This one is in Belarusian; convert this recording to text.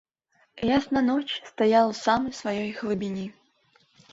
Ясна ноч стаяла ў самай сваёй глыбіні.